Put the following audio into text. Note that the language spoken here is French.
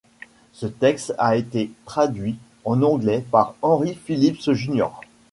Ce texte a été traduit en anglais par Henry Phillips Jr.